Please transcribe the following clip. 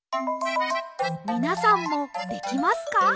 みなさんもできますか？